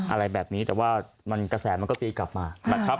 อะไรแบบนี้แต่ว่ากระแสมันก็ตีกลับมา